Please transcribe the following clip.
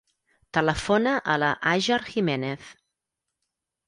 Telefona a la Hajar Gimenez.